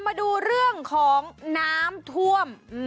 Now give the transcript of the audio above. มาดูเรื่องของน้ำท่วม